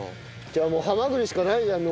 じゃあもうハマグリしかないじゃん